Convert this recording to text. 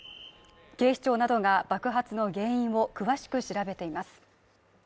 警視庁などが爆発の原因を詳しく調べています。